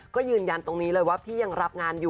พี่ยังไม่ได้ราวงิวงาน